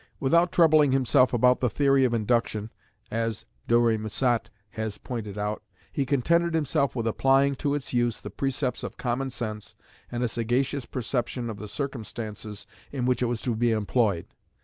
Without troubling himself about the theory of Induction, as De Rémusat has pointed out, he contented himself with applying to its use the precepts of common sense and a sagacious perception of the circumstances in which it was to be employed.